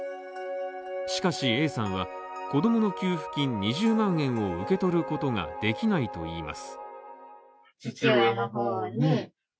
しかしＡさんは子供の給付金２０万円を受け取ることができないといいます。